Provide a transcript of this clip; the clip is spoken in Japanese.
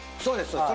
そうです。